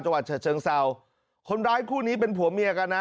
จังหวัดเชิงเซาคนร้ายคู่นี้เป็นผัวเมียกันนะ